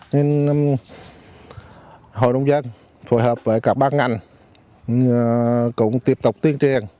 nên hội nông dân phù hợp với cả ba ngành cũng tiếp tục tiến triền